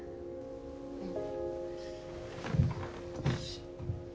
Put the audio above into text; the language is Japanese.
うん。